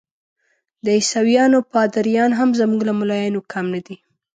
د عیسویانو پادریان هم زموږ له ملایانو کم نه دي.